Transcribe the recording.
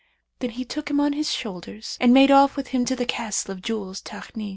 Then he took him on his shoulders and made off with him to the Castle of Jewels, Takni.